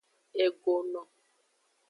Egono.